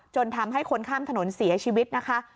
จนทำให้คนข้ามถนนเสียชีวิตนะคะ